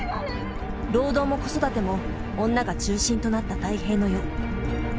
労働も子育ても女が中心となった太平の世。